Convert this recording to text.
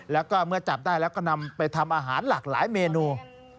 แล้วก็เมื่อจับได้แล้วก็นำไปทำอาหารหลากหลายเมนู